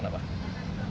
kenapa alasannya kenapa